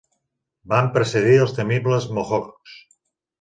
Van precedir els temibles Mohocks.